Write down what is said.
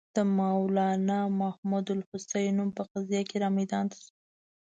د مولنا محمودالحسن نوم په قضیه کې را میدان ته شو.